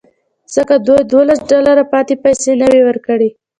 ځکه دوی دولس ډالره پاتې پیسې نه وې ورکړې